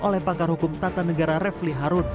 oleh pakar hukum tata negara refli harun